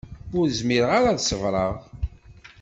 Ur zmireɣ ara ad ṣebṛeɣ.